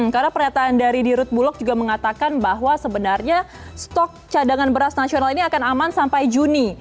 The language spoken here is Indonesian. karena pernyataan dari dirut bulog juga mengatakan bahwa sebenarnya stok cadangan beras nasional ini akan aman sampai juni